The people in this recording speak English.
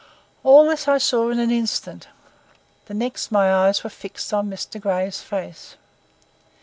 All this I saw in an instant,—the next my eyes were fixed on Mr. Grey's face.